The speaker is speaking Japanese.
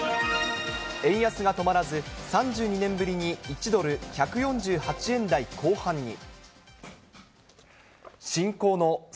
円安が止まらず、３２年ぶりに１ドル１４８円台後半に。